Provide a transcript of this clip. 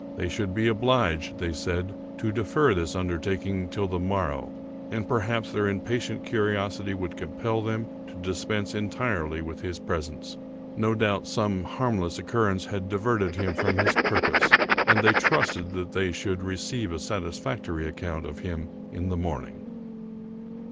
They should be obliged, they said, to defer this undertaking till the mor row; and perhaps their impatient curiosity would compel them to dispense entirely with his presence. No doubt some harmless occurrence had diverted him from his purpose ; and they trusted that they should receive a satisfactory account of him in the morning.